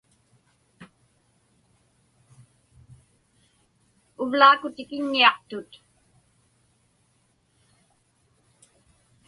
Uvlaaku tikiññiaqtut.